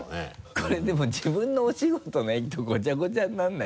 これでも自分のお仕事の駅とごちゃごちゃにならない？